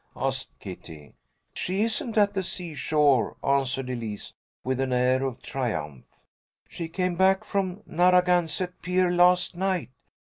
asked Kitty. "She isn't at the seashore," answered Elise, with an air of triumph. "She came back from Narragansett Pier last night.